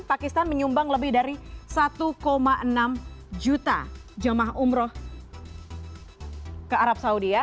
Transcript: pakistan menyumbang lebih dari satu enam juta jemaah umroh ke arab saudi ya